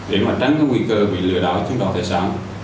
để tránh nguy cơ bị lừa đảo trong đoàn thải sản